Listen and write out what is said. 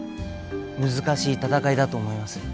難しい闘いだと思います。